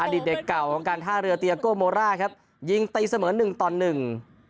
ดิตเด็กเก่าของการท่าเรือเตียโก้โมร่าครับยิงตีเสมอหนึ่งต่อหนึ่ง